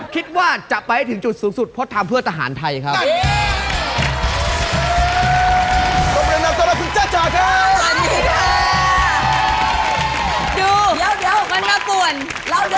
คิดว่าจะไปให้ถึงจุดสูงสุดเพราะทำเพื่อทหารไทยครับ